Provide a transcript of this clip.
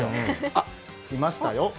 あっ、来ましたよ。